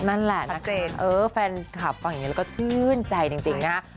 นั่นแหละนะครับเออแฟนคลับว่าอย่างนี้เราก็ชื่นใจจริงครับ